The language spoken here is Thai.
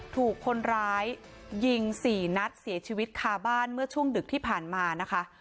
ถูกคนร้ายยิง๔นัดเสียชีวิตคาบ้านเมื่อช่วงดึกที่ผ่านมานะคะ